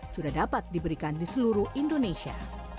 sudah dapat diberikan di seluruh indonesia